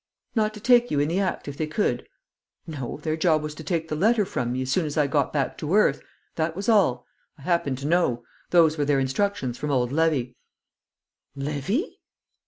"Not to take you in the act if they could?" "No; their job was to take the letter from me as soon as I got back to earth. That was all. I happen to know. Those were their instructions from old Levy." "Levy!"